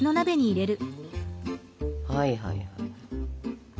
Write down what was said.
はい。